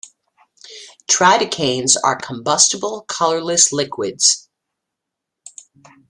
Tridecanes are combustible colourless liquids.